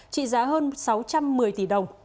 trị giá hơn sáu trăm một mươi tỷ đồng